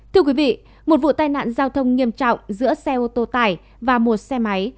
thưa quý vị một vụ tai nạn giao thông nghiêm trọng giữa xe ô tô tải và một xe máy